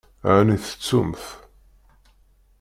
Ɛni tettumt?